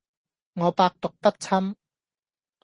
我百毒不侵